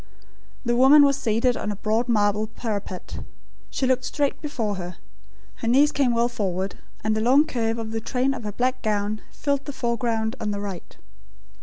The woman was seated on a broad marble parapet. She looked straight before her. Her knees came well forward, and the long curve of the train of her black gown filled the foreground on the right.